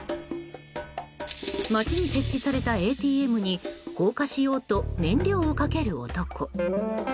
街に設置されたＡＴＭに放火しようと燃料をかける男。